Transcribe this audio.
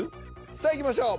さあいきましょう。